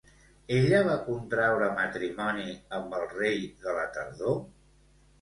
Ella va contraure matrimoni amb el rei de la tardor?